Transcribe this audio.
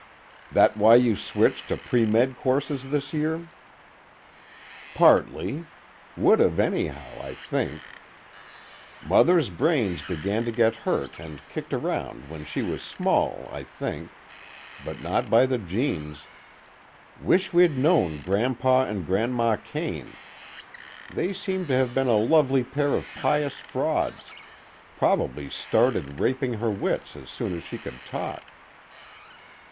"That why you switched to premed courses this year?" "Partly. Would've anyhow, I think. Mother's brains began to get hurt and kicked around when she was small, I think but not by the genes. Wish we'd known Grandpa and Grandma Kane. They seem to have been a lovely pair of pious frauds, probably started raping her wits as soon as she could talk.